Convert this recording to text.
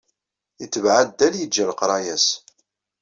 Itbeɛ addal, yeǧǧa leqraya-s.